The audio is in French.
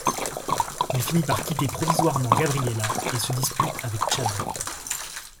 Il finit par quitter provisoirement Gabriella et se dispute avec Chad.